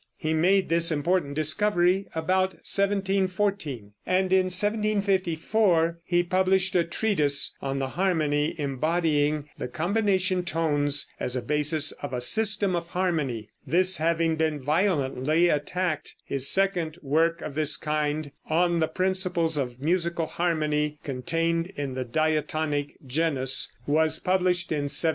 He made this important discovery about 1714, and in 1754 he published a treatise on harmony embodying the combination tones as a basis of a system of harmony. This having been violently attacked, his second work of this kind, "On the Principles of Musical Harmony Contained in the Diatonic Genus," was published in 1767.